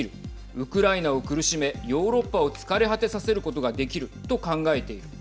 ウクライナを苦しめヨーロッパを疲れ果てさせることができると考えている。